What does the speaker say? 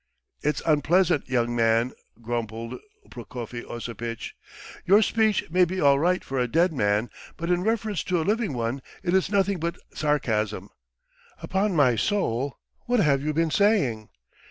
"It's unpleasant, young man," grumbled Prokofy Osipitch. "Your speech may be all right for a dead man, but in reference to a living one it is nothing but sarcasm! Upon my soul what have you been saying?